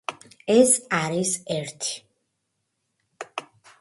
ეს არის ერთი.